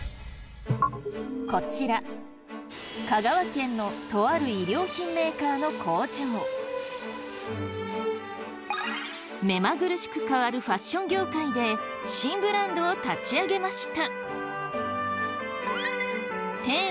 こちら香川県のとある目まぐるしく変わるファッション業界で新ブランドを立ち上げました。